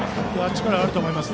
力があると思います。